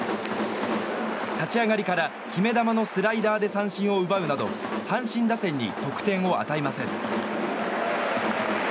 立ち上がりから決め球のスライダーで三振を奪うなど阪神打線に得点を与えません。